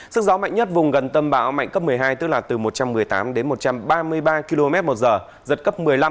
sức gió mạnh nhất vùng gần tâm bão mạnh cấp một mươi hai tức là từ một trăm một mươi tám đến một trăm ba mươi ba km một giờ giật cấp một mươi năm